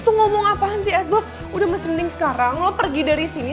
lo tuh ngomong apaan sih esbok udah mending sekarang lo pergi dari sini